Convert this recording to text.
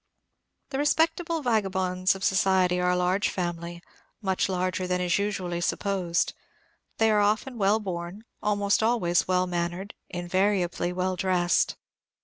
The respectable vagabonds of society are a large family, much larger than is usually supposed. They are often well born, almost always well mannered, invariably well dressed.